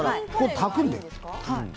炊くんで。